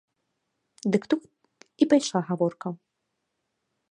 Дык тут і пайшла гаворка.